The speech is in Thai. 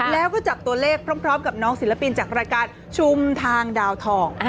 แล้วก็จับตัวเลขพร้อมกับน้องศิลปินจากรายการชุมทางดาวทอง